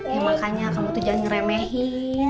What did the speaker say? ya makanya kamu tuh jangan ngeremehin